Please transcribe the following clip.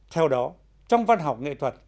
theo đó trong văn học nghệ thuật